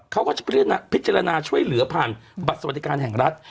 เขาก็จะพิจารณาช่วยเหลือผ่านบัตรสวัสดิการแห่งรัฐ